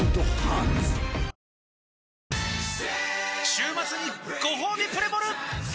週末にごほうびプレモル！